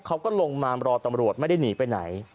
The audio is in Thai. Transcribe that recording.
เขาก็ลงมารอตำรวจไม่ได้หนีไปไหน